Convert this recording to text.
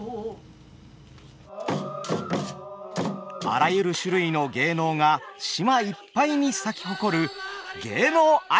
あらゆる種類の芸能が島いっぱいに咲き誇る